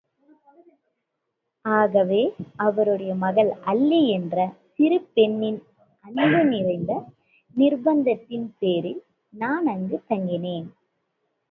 ஆகவே, அவருடைய மகள் அல்லி என்ற சிறு பெண்ணின் அன்பு நிறைந்த நிர்ப்பந்தத்தின் பேரில் நான் அங்கு தங்கினேன்.